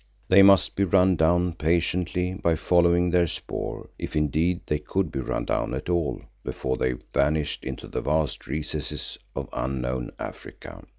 They must be run down patiently by following their spoor, if indeed they could be run down at all before they vanished into the vast recesses of unknown Africa.